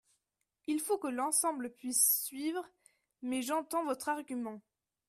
Il faut que l’ensemble puisse suivre mais j’entends votre argument.